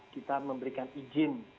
kita memberikan izin